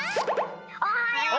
おはよう！